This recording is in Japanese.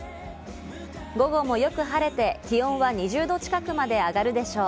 午後もよく晴れて、気温は２０度近くまで上がるでしょう。